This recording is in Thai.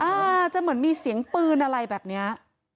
อาจจะเหมือนมีเสียงปืนอะไรแบบเนี้ย